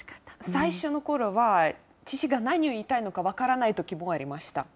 最初のころは父が何を言いたいのか分からないときもありました。